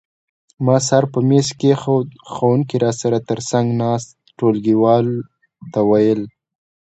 ما سر په مېز کېښود، ښوونکي را سره تر څنګ ناست ټولګیوال ته وویل.